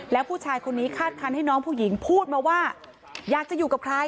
แล้วผู้ชายคนนี้คาดคันให้น้องผู้หญิงพูดมาว่าอยากจะอยู่กับใคร